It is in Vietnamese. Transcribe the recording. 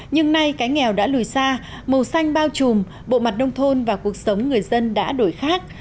nhưng nay cái nghèo đã lùi xa màu xanh bao trùm bộ mặt nông thôn và cuộc sống người dân đã đổi khác